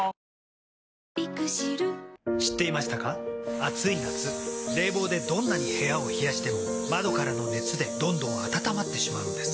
暑い夏冷房でどんなに部屋を冷やしても窓からの熱でどんどん暖まってしまうんです。